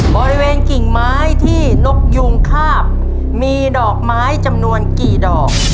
กิ่งไม้ที่นกยูงคาบมีดอกไม้จำนวนกี่ดอก